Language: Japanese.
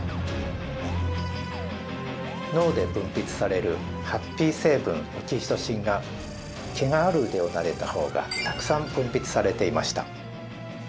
脳で分泌されるハッピー成分オキシトシンが毛がある腕をなでた方がたくさん分泌されていました。